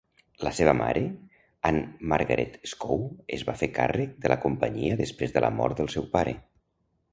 La seva mare Ane-Margrethe Skou es va fer càrrec de la companyia després de la mort del seu pare.